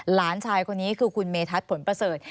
หลานชายคนนี้คือคุณเมธัศนผลประเสริฐ